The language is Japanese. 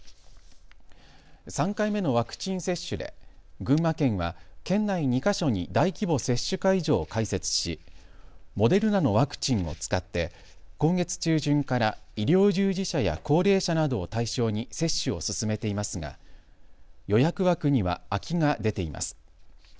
３回目のワクチン接種で群馬県は県内２か所に大規模接種会場を開設しモデルナのワクチンを使って今月中旬から医療従事者や高齢者などを対象に接種を進めていますが予約枠には空きが出ています。